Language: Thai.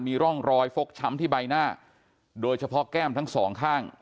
มีร่องรอยฟกช้ำที่ใบหน้าโดยเฉพาะแก้มทั้งสองข้าง